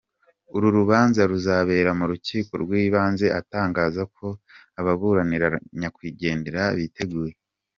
Uru rubanza ruzabera mu rukiko rw’ibanze atangaza ko ababuranira nyakwigendera biteguye.